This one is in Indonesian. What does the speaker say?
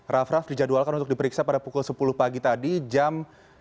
raff raff dijadwalkan untuk diperiksa pada pukul sepuluh pagi tadi jam tujuh belas dua puluh satu